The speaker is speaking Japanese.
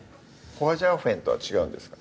ホァジャオフェンとは違うんですか？